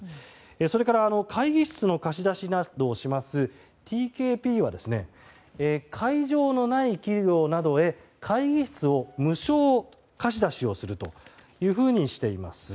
それから、会議室の貸し出しなどをしますＴＫＰは、会場のない企業などへ会議室の無償貸し出しをするとしています。